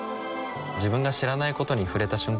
自分が知らないことに触れた瞬間